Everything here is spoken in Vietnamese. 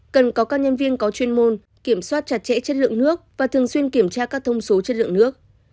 cần có các nhân viên có chuyên môn kiểm soát chặt chẽ chất lượng nước và thường xuyên kiểm tra các thông số chất lượng nước